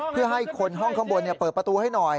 เพื่อให้คนห้องข้างบนเปิดประตูให้หน่อย